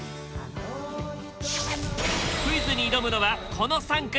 クイズに挑むのはこの３組。